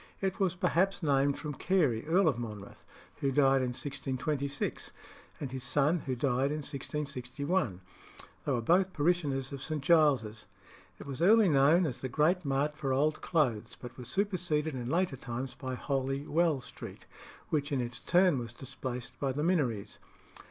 It was perhaps named from Carey, Earl of Monmouth, who died in 1626, and his son, who died in 1661: they were both parishioners of St. Giles's. It was early known as the great mart for old clothes, but was superseded in later times by Holy Well Street, which in its turn was displaced by the Minories.